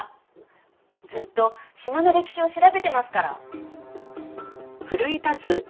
ずっと島の歴史を調べてますから。